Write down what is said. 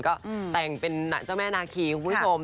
ก็แต่งเป็นเจ้าแม่นาคีคุณผู้ชม